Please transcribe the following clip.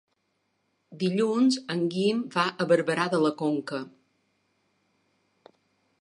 Dilluns en Guim va a Barberà de la Conca.